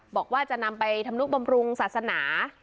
บอกว่าจะนำไปทำนุบำรุงศาสนา